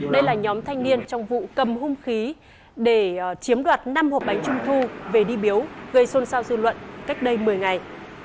đây là nhóm thanh niên trong vụ cầm hung khí để chiếm đoạt năm hộp bánh trung thu về đi biếu gây xôn xao dư luận cách đây một mươi ngày